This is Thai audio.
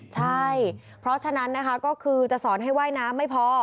ใช่เพราะฉะนั้นนะคะก็คือจะสอนให้ว่ายน้ำไม่พอ